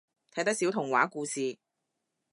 睇得少童話故事？